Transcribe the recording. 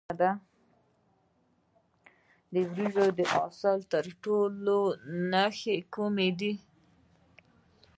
د وریجو د حاصل ټولولو نښې کومې دي؟